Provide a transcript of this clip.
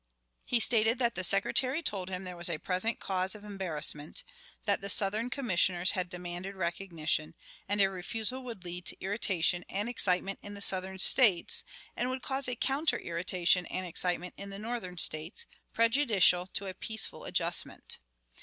He stated that the Secretary told him there was a present cause of embarrassment: that the Southern Commissioners had demanded recognition, and a refusal would lead to irritation and excitement in the Southern States, and would cause a counter irritation and excitement in the Northern States, prejudicial to a peaceful adjustment.